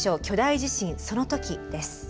巨大地震その時」です。